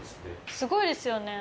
すごいですよね。